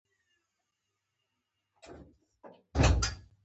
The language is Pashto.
خدای دې خیر کړي، چېرته بړز ونه وهي.